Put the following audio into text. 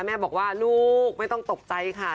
แม่บอกว่าลูกไม่ต้องตกใจค่ะ